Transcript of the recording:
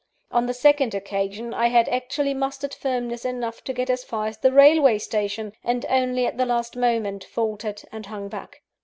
On the second occasion, I had actually mustered firmness enough to get as far as the railway station; and only at the last moment faltered and hung back.